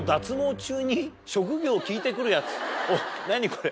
これ。